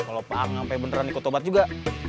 kalau pak angga beneran ikut obat juga